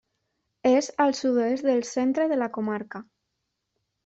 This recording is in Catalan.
És al sud-oest del centre de la comarca.